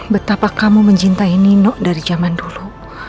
betapa kamu mencintai nino dari zaman dulu